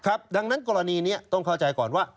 ดังนั้นกรณีนี้ต้องเข้าใจก่อนว่า